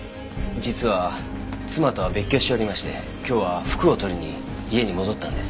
実は妻とは別居しておりまして今日は服を取りに家に戻ったんです。